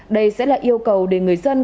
đây sẽ là yêu cầu để người dân